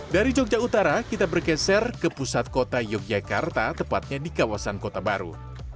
dari jogja utara kita bergeser ke pusat kota yogyakarta tepatnya di kawasan kota baru